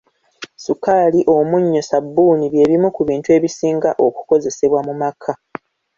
Sukaali, omunnyo, sabbuuni bye bimu ku bintu ebisinga okukozesebwa mu maka.